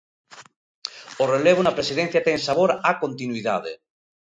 O relevo na presidencia ten sabor a continuidade.